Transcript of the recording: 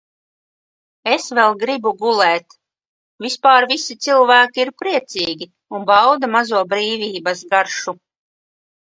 Es vēl gribu gulēt. Vispār visi cilvēki ir priecīgi un bauda mazo brīvības garšu.